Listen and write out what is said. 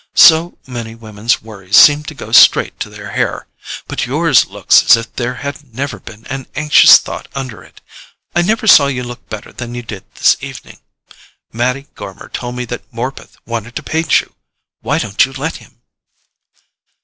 So many women's worries seem to go straight to their hair—but yours looks as if there had never been an anxious thought under it. I never saw you look better than you did this evening. Mattie Gormer told me that Morpeth wanted to paint you—why don't you let him?"